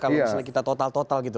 kalau misalnya kita total total gitu